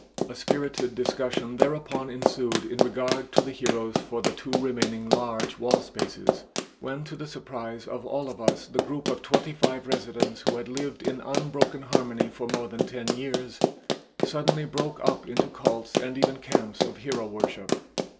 A spirited discussion thereupon ensued in regard to the heroes for the two remaining large wall spaces, when to the surprise of all of us the group of twenty five residents who had lived in unbroken harmony for more than ten years, suddenly broke up into cults and even camps of hero worship.